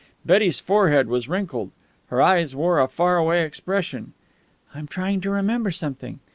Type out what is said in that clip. Betty's forehead was wrinkled. Her eyes wore a far away expression. "I'm trying to remember something.